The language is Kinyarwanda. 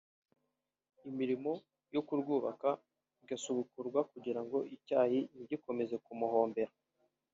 imirmo yo kurwubaka igasubukurwa kugira ngo icyayi ntigikomeze kumuhombera